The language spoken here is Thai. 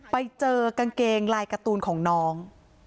ไปเจอกางเกงลายการ์ตูนของน้อง